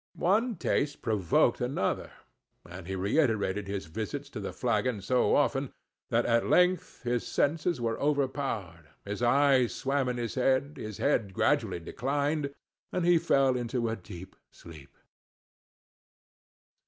One taste provoked another; and he reiterated his visits to the flagon so often that at length his senses were overpowered, his eyes swam in his head, his head gradually declined, and he fell into a deep sleep.